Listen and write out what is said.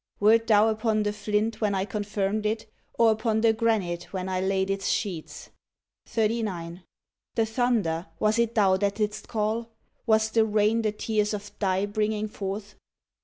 Wert thou upon the flint when I confirmed it, or upon the granite when I laid its sheets'? 39. The thunder, was it thou that didst call"? Was the rain the tears of thy bringing f orth